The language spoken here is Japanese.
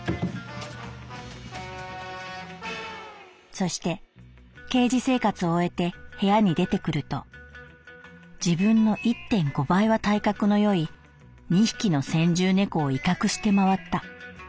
「そしてケージ生活を終えて部屋に出てくると自分の１．５倍は体格の良い２匹の先住猫を威嚇して回った」。